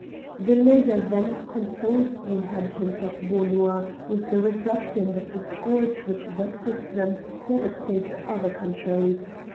The lawyer then consoles the inhabitants of Beaunois with the reflection that the scourge which vexes them devastates other countries.